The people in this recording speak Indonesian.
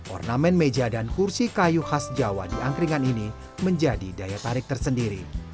ornamen meja dan kursi kayu khas jawa di angkringan ini menjadi daya tarik tersendiri